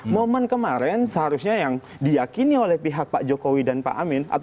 momen kemarin seharusnya yang diakini oleh pihak pak jokowi dan pak amin